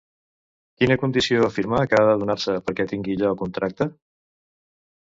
Quina condició afirma que ha de donar-se perquè tingui lloc un tracte?